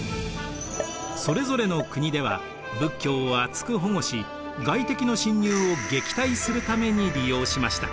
それぞれの国では仏教を厚く保護し外敵の侵入を撃退するために利用しました。